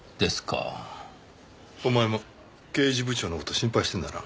お前も刑事部長の事心配してんだな。